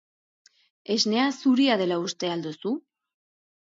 Esnea zuria dela uste al duzu?